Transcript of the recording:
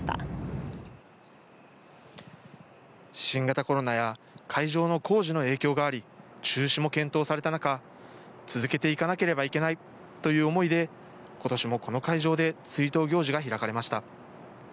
新型コロナや会場の工事の影響があり、中止も検討された中、続けていかなければいけないという思いで今年もこの会場で追悼行事が開かれました。